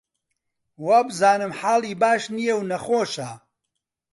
وابزانم حاڵی باش نییە و نەخۆشە